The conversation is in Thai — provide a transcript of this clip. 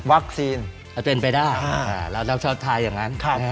วัคซีนเอาเป็นไปได้เราชอบทายอย่างนั้น